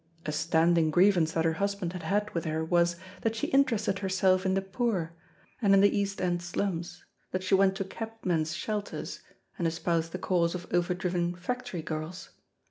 A standing grievance that her husband had had with her was, that she interested herself in the poor, and in the East End slums, that she went to cabmen's shelters, and espoused the cause of overdriven factory girls.